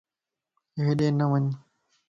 ھيڏي نھ وڃ